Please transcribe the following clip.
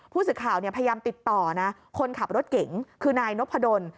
ผู้สื่อข่าวพยายามติดต่อนะคนขับรถเก๋งคือนายนพดล